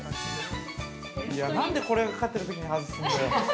◆何でこれがかかってるときに外すんだよ。